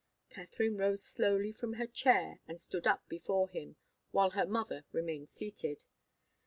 Katharine rose slowly from her chair and stood up before him, while her mother remained seated.